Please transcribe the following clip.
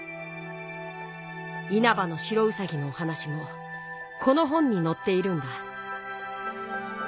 「いなばの白うさぎ」のおはなしもこの本にのっているんだ。